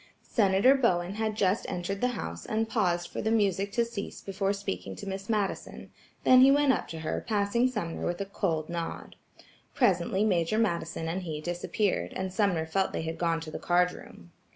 Senator Bowen had just entered the house and paused for the music to cease before speaking to Miss Madison, then he went up to her passing Sumner with a cold nod. Presently Major Madison and he disappeared, and Sumner felt they had gone to the card room.